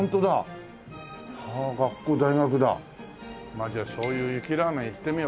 まあじゃあ醤油ゆきラーメンいってみよう